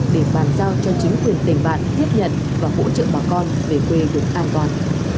để bàn giao cho chính quyền tỉnh bạn tiếp nhận và hỗ trợ bà con về quê được an toàn